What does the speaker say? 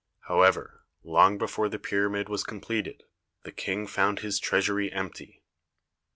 However, long before the pyramid was completed, the King found his treasury empty.